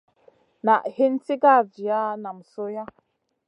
Na hin sigara jiya nam sohya.